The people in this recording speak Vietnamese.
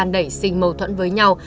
đẩy xình mâu thuẫn với nhau